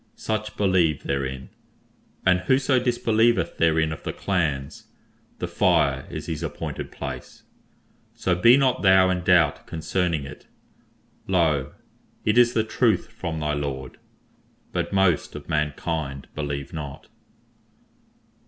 Such believe therein, and whoso disbelieveth therein of the clans, the Fire is his appointed place. So be not thou in doubt concerning it. Lo! it is the Truth from thy Lord; but most of mankind believe not.